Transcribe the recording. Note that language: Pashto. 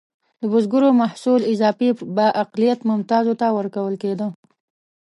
د بزګرو محصول اضافي به اقلیت ممتازو ته ورکول کېده.